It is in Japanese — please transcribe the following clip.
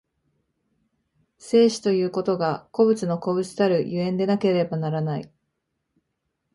生死ということが個物の個物たる所以でなければならない。